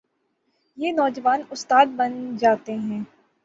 یہ نوجوان استاد بن جاتے ہیں۔